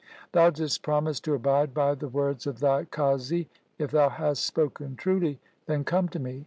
Thou didst promise to abide by the words of thy qazi. If thou hast spoken truly, then come to me.